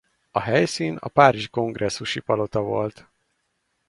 A helyszín a párizsi Kongresszusi Palota volt.